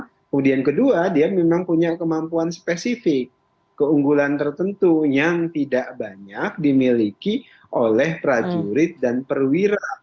kemudian kedua dia memang punya kemampuan spesifik keunggulan tertentu yang tidak banyak dimiliki oleh prajurit dan perwira